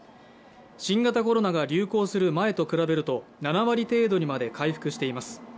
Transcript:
新型コロナが流行する前と比べると７割程度にまで回復しています。